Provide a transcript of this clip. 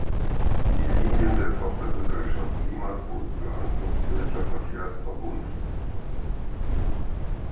Die Linien der Tochtergesellschaft Limmat Bus gehören zum Zürcher Verkehrsverbund.